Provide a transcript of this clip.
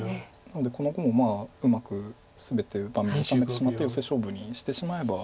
なのでこの碁もうまく全て盤面収めてしまってヨセ勝負にしてしまえば。